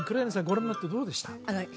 ご覧になってどうでした？